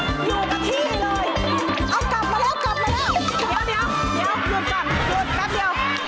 เดี๋ยวหยุดก่อน